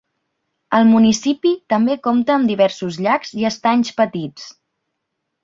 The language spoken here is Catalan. El municipi també compta amb diversos llacs i estanys petits.